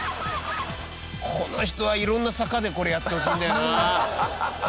この人はいろんな坂でこれやってほしいんだよな。